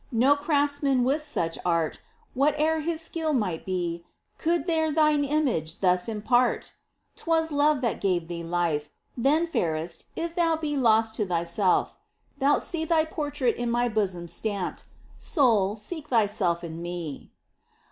No craftsman with such art, Whate'er his skill might be, could there Thine image thus impart ! 'Twas love that gave thee life : Then, Fairest, if thou be Lost to thyself, thou'lt see Thy portrait in My bosom stamped : Soul, seek thyself in Me